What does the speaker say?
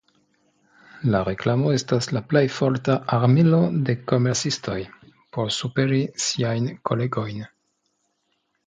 La reklamo estas la plej forta armilo de komercistoj por superi siajn kolegojn.